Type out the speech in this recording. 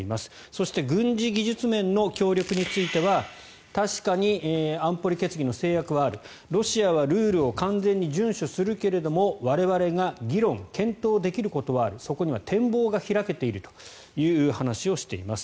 そして軍事技術面の協力については確かに安保理決議の制約はあるロシアはルールを完全に順守するけれども我々が議論・検討できることはあるそこには展望が開けているという話をしています。